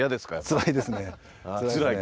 つらいです。